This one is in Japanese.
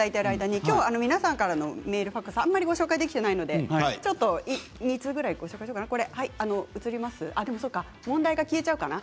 きょう皆さんからのメール、ファックスはあまりご紹介できていないので２つぐらいご紹介しようかな問題が消えちゃうかな。